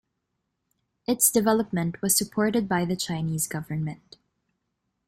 Its development was supported by the Chinese government.